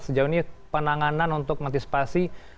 sejauh ini penanganan untuk mengantisipasi